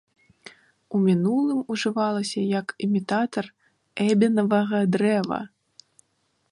У мінулым ужывалася як імітатар эбенавага дрэва.